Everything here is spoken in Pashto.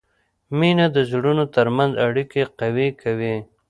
مینه د زړونو ترمنځ اړیکه قوي کوي.